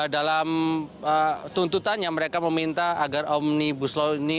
dalam tuntutan yang mereka meminta agar omnibus law ini